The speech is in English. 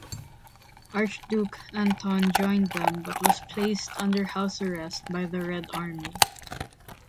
Archduke Anton joined them but was placed under house arrest by the Red Army.